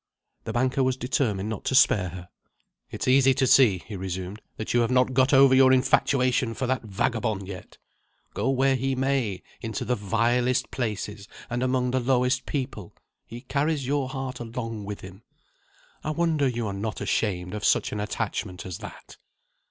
The banker was determined not to spare her. "It's easy to see," he resumed, "that you have not got over your infatuation for that vagabond yet. Go where he may, into the vilest places and among the lowest people, he carries your heart along with him. I wonder you are not ashamed of such an attachment as that."